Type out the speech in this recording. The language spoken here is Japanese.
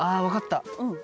分かった？